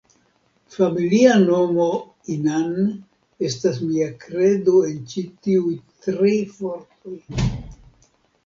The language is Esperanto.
Familia nomo Inan estas mia kredo en ĉi tiuj tri fortoj.